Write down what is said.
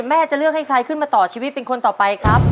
แม่จะเลือกให้ใครขึ้นมาต่อชีวิตเป็นคนต่อไปครับ